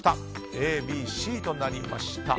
Ａ、Ｂ、Ｃとなりました。